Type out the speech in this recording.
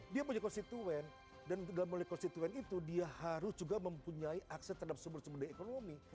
dia punya konstituen dan dalam konstituen itu dia harus juga mempunyai akses terhadap sumber sumber daya ekonomi